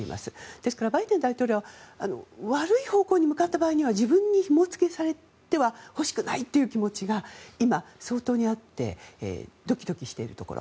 ですから、バイデン大統領は悪い方向に向かった場合は自分にひもづけされたくないという気持ちが気持ちが今、相当にあってドキドキしているところ。